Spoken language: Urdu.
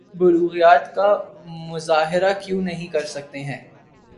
آخر ہم فکری بلوغت کا مظاہرہ کیوں نہیں کر سکتے ہیں؟